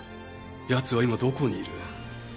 やつは今どこにいる？